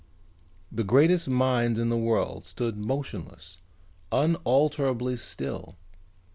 The greatest minds in the world stood motionless, unalterably still.